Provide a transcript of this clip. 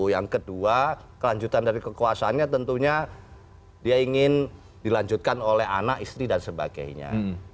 yang kedua kelanjutan dari kekuasaannya tentunya dia ingin dilanjutkan oleh anak istri dan sebagainya